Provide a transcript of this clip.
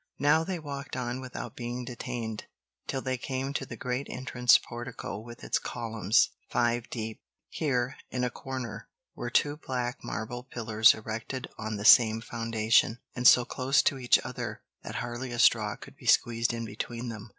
Now they walked on without being detained, till they came to the great entrance portico with its columns, five deep. Here, in a corner, were two black marble pillars erected on the same foundation, and so close to each other that hardly a straw could be squeezed in between them.